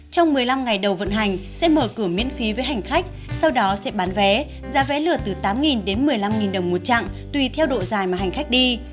trong một mươi năm ngày đầu vận hành sẽ mở cửa miễn phí với hành khách sau đó sẽ bán vé giá vé lượt từ tám đến một mươi năm đồng một chặng tùy theo độ dài mà hành khách đi